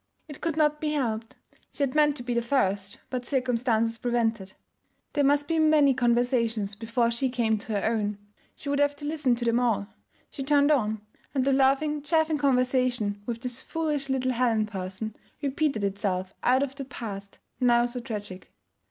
It could not be helped: she had meant to be the first, but circumstances prevented. There must be many conversations before she came to her own; she would have to listen to them all. She turned on, and the laughing, chaffing conversation with this foolish little Helen person repeated itself out of the past now so tragic.